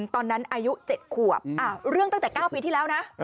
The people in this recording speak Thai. อายุ๗ขวบเรื่องตั้งแต่๙ปีที่แล้วนะ